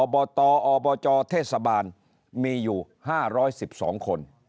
ตอบตอบจเทศบาลมีอยู่๕๑๒คน